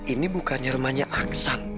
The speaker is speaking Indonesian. ini bukannya rumahnya aksan